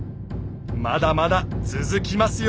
まだまだ続きますよ！